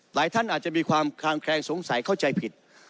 หลายท่านอาจจะมีความคางแคลงสงสัยเข้าใจผิด